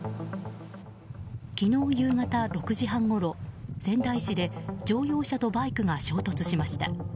昨日午後６時半ごろ仙台市で乗用車とバイクが衝突しました。